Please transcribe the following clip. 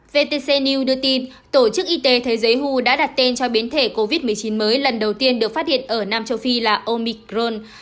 vtc new đưa tin tổ chức y tế thế giới hu đã đặt tên cho biến thể covid một mươi chín mới lần đầu tiên được phát hiện ở nam châu phi là omicron